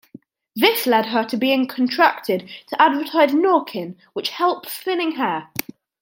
This led to her being contracted to advertise Nourkrin which helps thinning hair.